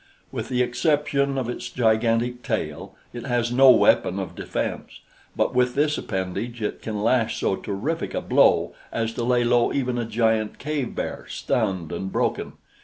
With the exception of its gigantic tail, it has no weapon of defense; but with this appendage it can lash so terrific a blow as to lay low even a giant cave bear, stunned and broken.